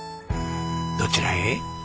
どちらへ？